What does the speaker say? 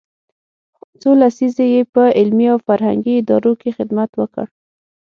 څو لسیزې یې په علمي او فرهنګي ادارو کې خدمت وکړ.